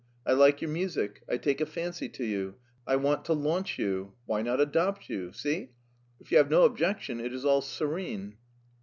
I like your music, I take a fancy to you, I want to launch you. Why not adopt you ? See? If you have no objection, it is all serene."